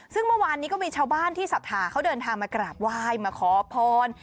ซึ่งเมื่อวานนี้ก็มีชาวบ้านที่ศรัทธาเขาเดินทางมากราบไหว้มาขอพร